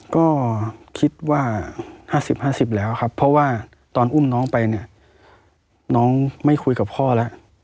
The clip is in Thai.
ก็คิดว่า๕๐๕๐แล้วครับเพราะว่าตอนอุ้มน้องไปเนี่ยน้องไม่คุยกับพ่อแล้ว